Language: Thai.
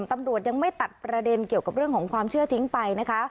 ตำรวจยังไม่ตัดประเด็นเกี่ยวกับเรื่องของความเชื่อทิ้งไปนะคะ